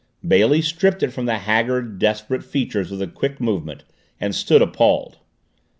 Bailey stripped it from the haggard, desperate features with a quick movement and stood appalled.